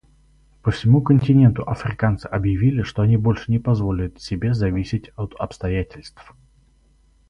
По всему континенту африканцы объявили, что они больше не позволят себе зависеть от обстоятельств.